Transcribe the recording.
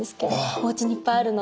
おうちにいっぱいあるので。